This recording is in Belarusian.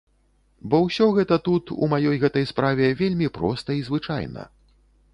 Бо ўсё гэта тут, у маёй гэтай справе, вельмі проста і звычайна.